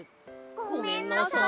ごめんなさい！